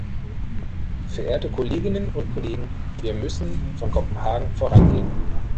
Verehrte Kolleginnen und Kollegen, wir müssen von Kopenhagen vorangehen.